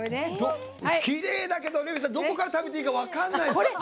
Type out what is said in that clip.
きれいだけどどこから食べていいか分からないです。